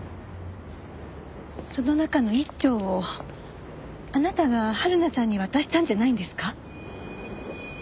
その中の１丁をあなたが春菜さんに渡したんじゃないんですか？